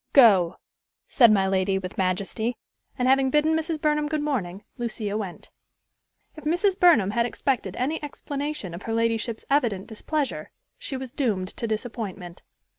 "Go," said my lady with majesty; and, having bidden Mrs. Burnham good morning, Lucia went. If Mrs. Burnham had expected any explanation of her ladyship's evident displeasure, she was doomed to disappointment.